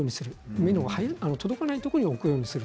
目の届かないところに置くようにする。